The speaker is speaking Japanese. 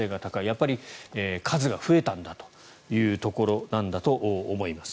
やっぱり数が増えたんだというところだと思います。